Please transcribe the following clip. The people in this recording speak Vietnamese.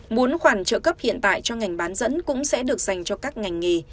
muốn khoản trợ cấp hiện tại cho ngành bán dẫn cũng sẽ được dành cho các ngành nghề